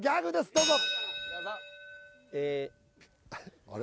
どうぞええあれ？